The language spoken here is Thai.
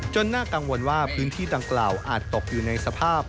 น่ากังวลว่าพื้นที่ดังกล่าวอาจตกอยู่ในสภาพ